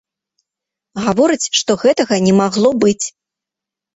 Гаворыць, што гэтага не магло быць.